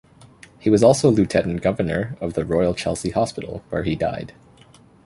He was also Lieutenant Governor of the Royal Chelsea Hospital where he died.